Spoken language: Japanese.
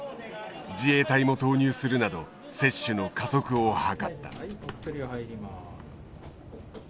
自衛隊も投入するなど接種の加速を図った。